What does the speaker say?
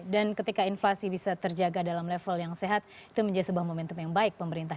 dan ketika inflasi bisa terjaga dalam level yang sehat itu menjadi sebuah momentum yang baik pemerintah